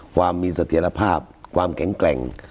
ความมีเสถียรภาพความแข็งแกร่ง